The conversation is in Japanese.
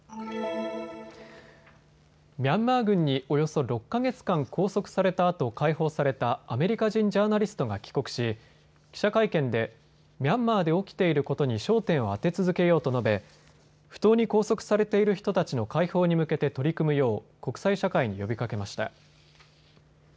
ミャンマー軍におよそ６か月間拘束されたあと解放されたアメリカ人ジャーナリストが帰国し記者会見でミャンマーで起きていることに焦点を当て続けようと述べ不当に拘束されている人たちの解放に向けて取り組むよう国際社会に呼びかけました。